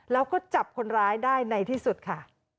แล้วก็จับคนร้ายได้ในที่สุดค่ะ